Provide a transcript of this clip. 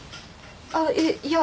あっえっいや。